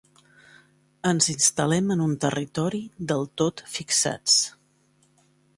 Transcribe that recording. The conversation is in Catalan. Ens instal·lem en un territori del tot fixats.